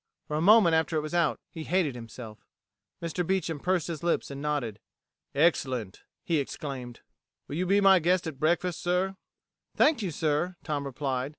For a moment after it was out, he hated himself. Mr. Beecham pursed his lips and nodded. "Excellent!" he exclaimed. "Will you be my guest at breakfast, sir?" "Thank you, sir," Tom replied.